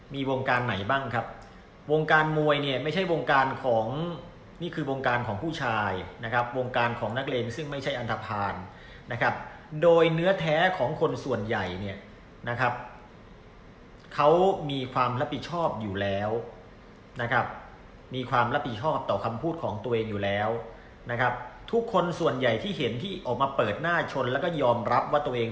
มีวงการไหนบ้างครับวงการมวยเนี่ยไม่ใช่วงการของนี่คือวงการของผู้ชายนะครับวงการของนักเลงซึ่งไม่ใช่อันทภาณนะครับโดยเนื้อแท้ของคนส่วนใหญ่เนี่ยนะครับเขามีความรับผิดชอบอยู่แล้วนะครับมีความรับผิดชอบต่อคำพูดของตัวเองอยู่แล้วนะครับทุกคนส่วนใหญ่ที่เห็นที่ออกมาเปิดหน้าชนแล้วก็ยอมรับว่าตัวเอง